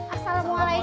rita aku udah saja gitu